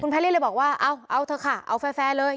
แพรรี่เลยบอกว่าเอาเถอะค่ะเอาแฟร์เลย